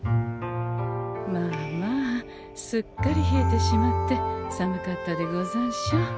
まあまあすっかり冷えてしまって寒かったでござんしょう？